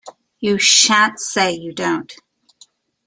You shan't say you don't.